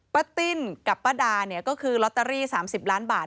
ป้าติ้นกับป้าดาเนี่ยก็คือลอตเตอรี่๓๐ล้านบาท